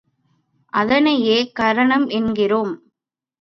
அதனையே கரணம் என்கிறோம்.